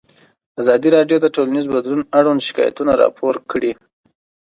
ازادي راډیو د ټولنیز بدلون اړوند شکایتونه راپور کړي.